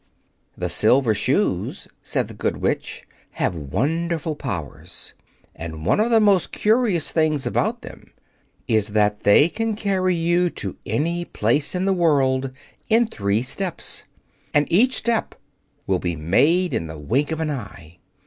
"The Silver Shoes," said the Good Witch, "have wonderful powers. And one of the most curious things about them is that they can carry you to any place in the world in three steps, and each step will be made in the wink of an eye.